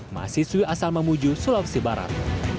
mahasiswi asal mamuju sulawesi barat